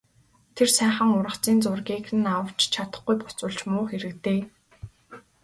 Тэр сайхан ургацын зургийг нь авч чадахгүй буцвал ч муу хэрэг дээ...